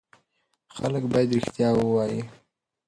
خلک باید رښتیا ووایي.